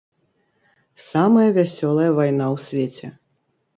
Самая вясёлая вайна ў свеце.